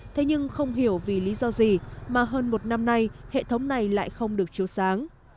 thế nhưng không hiểu vì lý do gì mà hơn một năm nay hệ thống này lại không được chiếu sáng